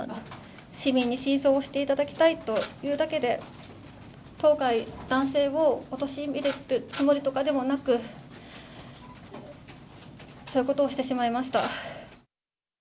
市民に真相を知っていただきたいというだけで、当該男性を陥れるつもりとかでもなく、そういうことをしてしまいました。